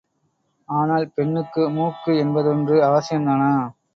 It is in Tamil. ஆனால், பெண்ணுக்கு மூக்கு என்பதொன்று அவசியம்தானா?